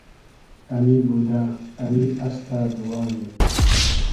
امی بودۂ ، امی استۂ دوواییم